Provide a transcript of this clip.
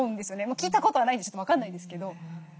聞いたことはないんでちょっと分かんないんですけど。